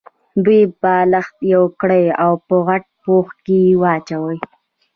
دوه بالښته يو کړئ او په غټ پوښ کې يې واچوئ.